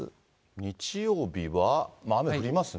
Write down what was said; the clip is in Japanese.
日曜日は雨降りますね。